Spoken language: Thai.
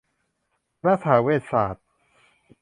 คณะสหเวชศาสตร์